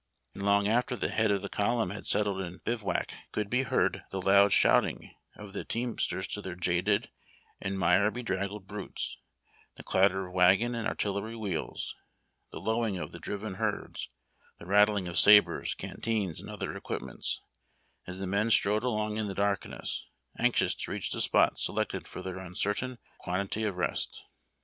and long after the head of the column had settled in bivouac could be heard the loud shouting of the team sters to their jaded and mire bedraggled brutes, the clatter of wagon and artillery wheels, the lowing of the driven herds, the rattling of sabres, canteens, and other equip ments, as the men strode along in the darkness, anx ious to reach the spot selected for their uncertain quantity of rest.